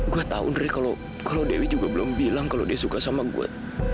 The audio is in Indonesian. gue tahu dari kalau dewi juga belum bilang kalau dia suka sama gue